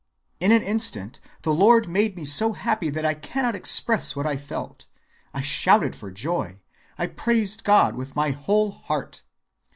In an instant the Lord made me so happy that I cannot express what I felt. I shouted for joy. I praised God with my whole heart....